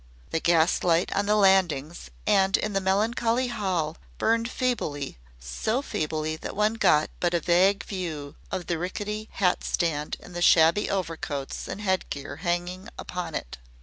The gas light on the landings and in the melancholy hall burned feebly so feebly that one got but a vague view of the rickety hat stand and the shabby overcoats and head gear hanging upon it.